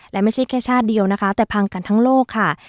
และไม่ใช่แค่ชาติเดียวนะคะแต่พังกันทั้งโลกค่ะ